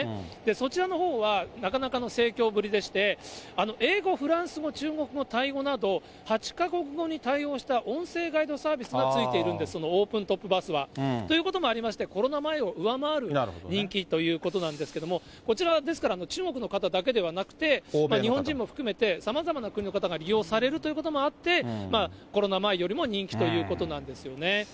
そちらのほうはなかなかの盛況ぶりでして、英語、フランス語、中国語、タイ語など、８か国語に対応した音声ガイドサービスが付いているんです、そのオープントップバスは。ということもありまして、コロナ前を上回る人気ということなんですけれども、こちら、ですから中国の方だけではなくて、日本人も含めて、さまざまな国の方が利用されるということもあって、コロナ前よりも人気ということなんですよね。